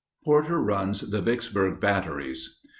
PORTER RUNS THE VICKSBURG BATTERIES.